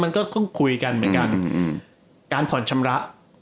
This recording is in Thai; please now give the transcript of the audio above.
มันก้นการพอห์ชำระ